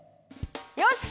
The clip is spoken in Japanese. よし！